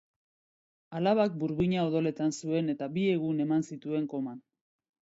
Alabak burmuina odoletan zuen eta bi egun eman zituen koman.